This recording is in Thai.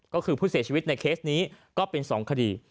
ก็คือผู้เสียชีวิตในเคสนี้ก็เป็น๒คดี